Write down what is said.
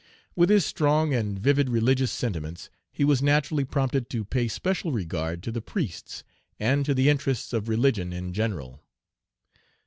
With his strong and vivid religious sentiments, he was naturally prompted to pay special regard to the priests, and to the interests of religion in general.